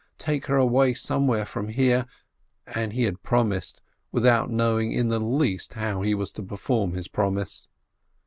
Take her away somewhere from there, and he had promised, without knowing in the least how he was to perform his promise.